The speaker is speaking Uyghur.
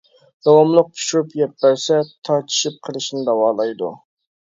داۋاملىق پىشۇرۇپ يەپ بەرسە، تارتىشىپ قېلىشنى داۋالايدۇ.